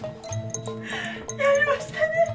やりましたね！